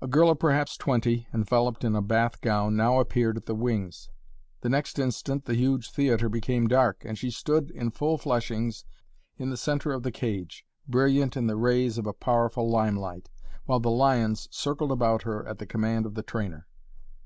A girl of perhaps twenty, enveloped in a bath gown, now appeared at the wings. The next instant the huge theater became dark, and she stood in full fleshings, in the center of the cage, brilliant in the rays of a powerful limelight, while the lions circled about her at the command of the trainer.